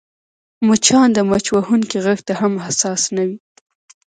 مچان د مچ وهونکي غږ ته هم حساس نه وي